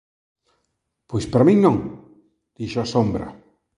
Pois para min non! –dixo a sombra–.